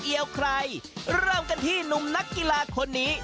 ไม่เอียวใครเริ่มกันที่หนุ่มนักกีฬาคนนี้